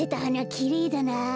きれいだな。